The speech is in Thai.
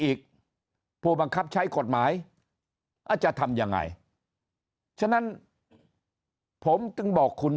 อีกผู้บังคับใช้กฎหมายอาจจะทำยังไงฉะนั้นผมจึงบอกคุณ